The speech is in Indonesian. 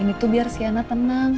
ini tuh biar siena tenang